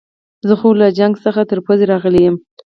زه خو له جګړې څخه تر پوزې راغلی یم.